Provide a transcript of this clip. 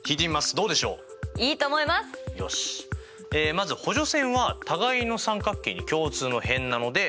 まず補助線は互いの三角形に共通の辺なので１辺が等しいと。